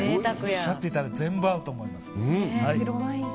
おっしゃっていただいたの全部合うと思います。